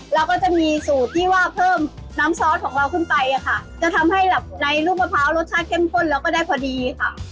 แล้วก็จะมีสูตรที่ว่าเพิ่มน้ำซอสของเราขึ้นไปอะค่ะจะทำให้แบบในลูกมะพร้าวรสชาติเข้มข้นแล้วก็ได้พอดีค่ะ